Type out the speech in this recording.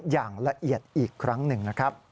อย่างละเอียดอีกครั้งหนึ่ง